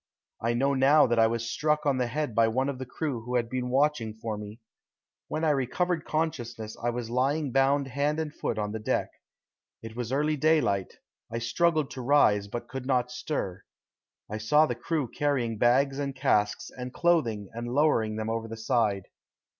I know now that I was struck on the head by one of the crew who had been watching for me. When I recovered consciousness I was lying bound hand and foot on the deck. It was early daylight, I struggled to rise, but could not stir. I saw the crew carrying bags and casks and clothing and lowering them over the side.